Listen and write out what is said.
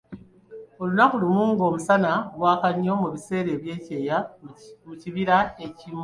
Olunaku lumu ng'omusana gwaka nnyo, mu biseera by'ekyeya mu kibira ekimu.